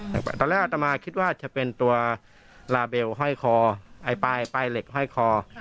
แต่ตอนแรกอัตมาคิดว่าจะเป็นตัวลาเบลห้อยคอไอ้ปลายเหล็กห้อยคอ